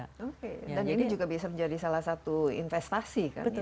oke dan ini juga bisa menjadi salah satu investasi kan